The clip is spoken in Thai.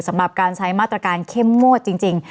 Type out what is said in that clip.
สำหรับการใช้มาตรการเข้มงวดจริง